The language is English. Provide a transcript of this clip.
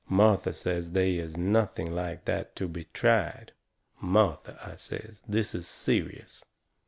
Martha says they is nothing like that to be tried. "Martha," I says, "this is serious.